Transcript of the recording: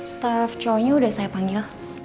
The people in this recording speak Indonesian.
staff coyu udah saya panggil